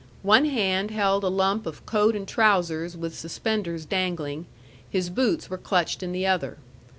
One hand held a lump of coat and trousers with suspenders dangling, his boots were clutched in the other.